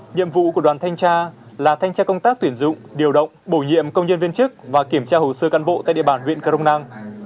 nhiệm vụ của đoàn thanh tra là thanh tra công tác tuyển dụng điều động bổ nhiệm công nhân viên chức và kiểm tra hồ sơ căn bộ tại địa bàn huyện crong năng